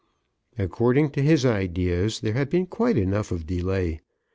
According to his ideas there had been quite enough of delay.